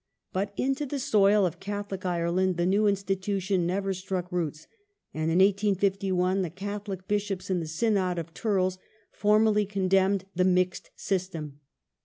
But into the soil of Catholic Ireland the new institution never struck roots, and in 1851 the Catholic Bishops in the Synod of Thurles formally condemned the "mixed system".